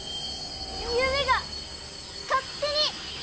指が勝手に。